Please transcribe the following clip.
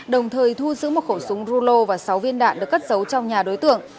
đồng thời thu giữ một khẩu súng rulo và sáu viên đạn được cất giấu trong nhà đối tượng